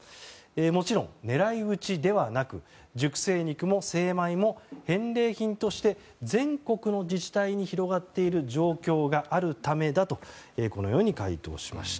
もちろん狙い撃ちではなく熟成肉も精米も返礼品として全国の自治体に広がっている状況があるためだとこのように回答しました。